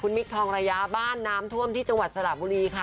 มิคทองระยะบ้านน้ำท่วมที่จังหวัดสระบุรีค่ะ